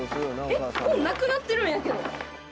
もうなくなってるんやけど。